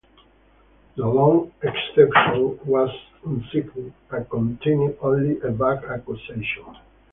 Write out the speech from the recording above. The lone exception was unsigned, and contained only a vague accusation.